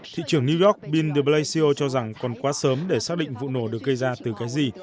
thị trưởng new york bill de blasio cho rằng còn quá sớm để xác định vụ nổ được gây ra từ cái gì